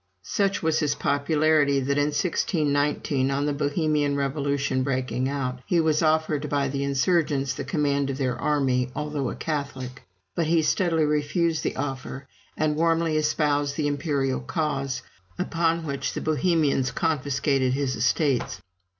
Such was his popularity that in 1619, on the Bohemian revolution breaking out, he was offered by the insurgents the command of their army, although a Catholic. But he steadily refused the offer, and warmly espoused the imperial cause, upon which the Bohemians confiscated his estates.